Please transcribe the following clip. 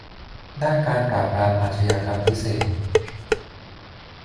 ด้านการปราบปรามอาชญากรรมพิเศษ